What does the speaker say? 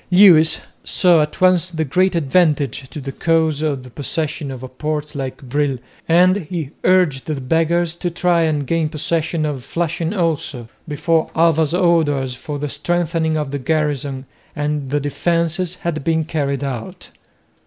Lewis saw at once the great advantage to the cause of the possession of a port like Brill, and he urged the Beggars to try and gain possession of Flushing also, before Alva's orders for the strengthening of the garrison and the defences had been carried out.